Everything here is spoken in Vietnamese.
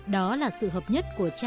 đó là sự hợp nhất của cha con và thánh thần